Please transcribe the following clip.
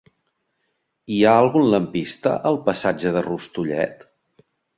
Hi ha algun lampista al passatge de Rustullet?